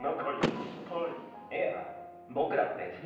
いや僕らは別に。